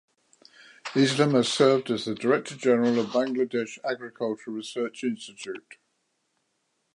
Islam has served as the Director General of Bangladesh Agricultural Research Institute.